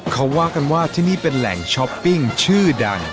เขาว่ากันว่าที่นี่เป็นแหล่งช้อปปิ้งชื่อดัง